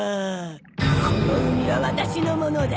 この海はワタシのものだ！